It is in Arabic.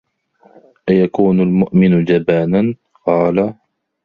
أَيَكُونُ الْمُؤْمِنُ جَبَانًا ؟ قَالَ